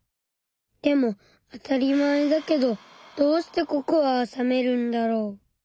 でもあたりまえだけどどうしてココアはさめるんだろう。